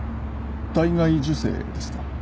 体外受精ですか？